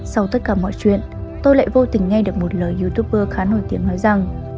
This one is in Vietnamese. sau tất cả mọi chuyện tôi lại vô tình nghe được một lời youtuber khá nổi tiếng nói rằng